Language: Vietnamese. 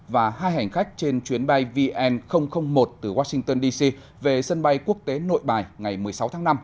và hai hành khách trên chuyến bay vn một từ washington dc về sân bay quốc tế nội bài ngày một mươi sáu tháng năm